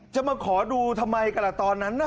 จะมาขอดูทำไมกันล่ะตอนนั้นน่ะ